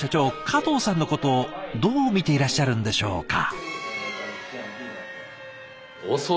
加藤さんのことどう見ていらっしゃるんでしょうか？